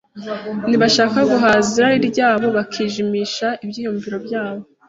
Nibashaka guhaza irari ryabo, bakijimisha ibyumviro byabo,